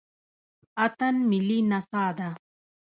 اتن ملي نڅا ده